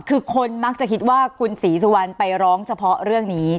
คือคนมักจะคิดว่าคุณศรีสุวรรณไปร้องเฉพาะเรื่องนี้